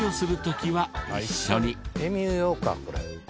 エミュー用かこれ。